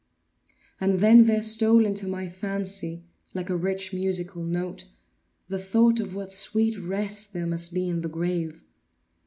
And then there stole into my fancy, like a rich musical note, the thought of what sweet rest there must be in the grave.